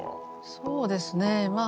そうですねまあ